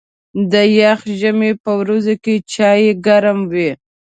د یخ ژمي په ورځو کې چای ګرم وي.